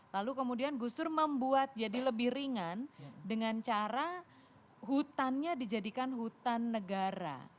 lalu kemudian gus dur membuat jadi lebih ringan dengan cara hutannya dijadikan hutan negara